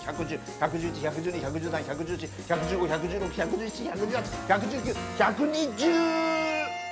１１１１１２１１３１１４１１５１１６１１７１１８１１９１２０。